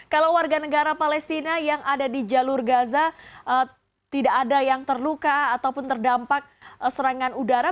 kalau warga negara palestina yang ada di jalur gaza tidak ada yang terluka ataupun terdampak serangan udara